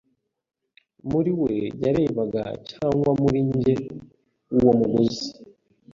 Muri we yarebaga cyangwa muri njye uwo mugozi